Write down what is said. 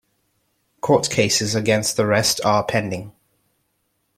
Court cases against the rest are pending.